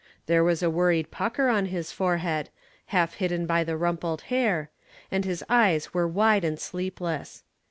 There was a worried pucker on his forehead, half hidden by the rumpled hair, and his eyes were wide and sleepless.